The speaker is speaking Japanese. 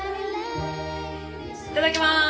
いただきます！